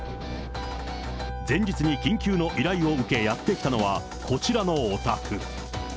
前日に緊急の依頼を受け、やって来たのは、こちらのお宅。